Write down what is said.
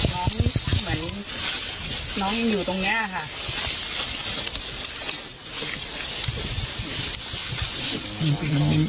หาน้องเหมือนน้องยังอยู่ตรงเนี้ยค่ะ